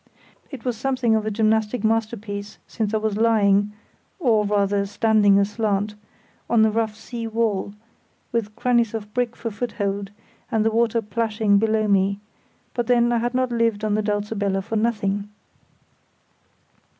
It was something of a gymnastic masterpiece, since I was lying—or, rather, standing aslant—on the rough sea wall, with crannies of brick for foothold and the water plashing below me; but then I had not lived in the Dulcibella for nothing.